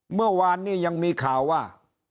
เมื่อวานนี้ยังมีข่าวว่า